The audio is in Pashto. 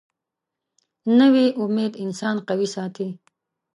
نوې امید انسان قوي ساتي